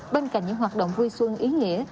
bên cạnh những hoạt động vui xuân ý nghĩa